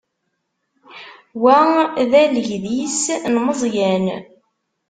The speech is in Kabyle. Wa d alegdis n Meẓyan.